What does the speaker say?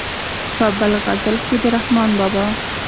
په بل غزل کې د رحمان بابا.